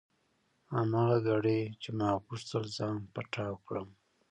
هماغه ګړۍ چې ما غوښتل ځان پټاو کړم.